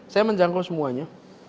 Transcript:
saya menjangkau semuanya